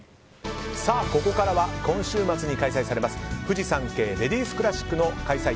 ここからは今週末に開催されますフジサンケイレディスクラシックの開催